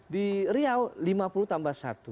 di riau lima puluh tambah satu